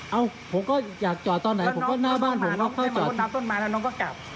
เอ้าผมก็อยากจอดตอนไหนผมก็หน้าบ้านผมแล้วเข้าจอดแล้วน้องก็กลับ